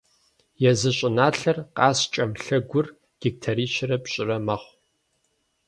Езы щӏыналъэр, «Къаскӏэм лъэгур», гектарищэрэ пщӏырэ мэхъу.